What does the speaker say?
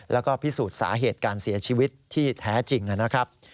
แล้วก็พิสูจน์สาเหตุการเสียชีวิตที่แท้จริงนะครับ